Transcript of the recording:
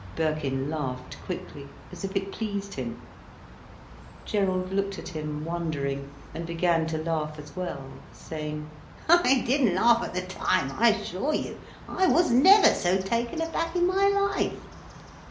Birkin laughed quickly, as if it pleased him. Gerald looked at him, wondering, and began to laugh as well, saying: "I didn't laugh at the time, I assure you. I was never so taken aback in my life."